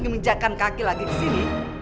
menjakan kaki lagi kesini